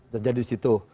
terjadi di situ